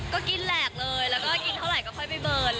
ไม่ได้ทักเลยแล้วก็กินเท่าไหร่ก็ค่อยไปเบิร์นแหละ